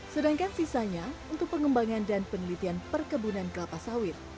sedangkan sisanya untuk pengembangan dan penelitian perkebunan kelapa sawit